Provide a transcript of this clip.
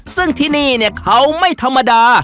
ซึ่งที่นี่เขาไม่ธรรมดา